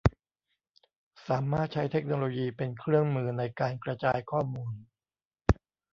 สามารถใช้เทคโนโลยีเป็นเครื่องมือในการกระจายข้อมูล